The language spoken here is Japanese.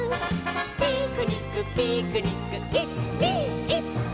「ピクニックピクニックいちにいちに」